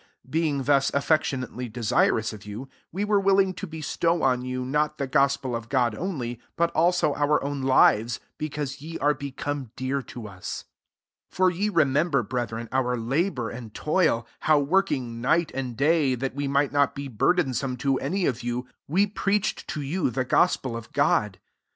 8 Being thus affectionately desirous of you, we are willing to bestow on you, not the gospel of God only, but also our own lives, because ye are become dear to us. 9 For ye remember, breth ren, our labour and toil : how working night and day, that we might not be burdensome to any of you, we preached to you the gospel of God.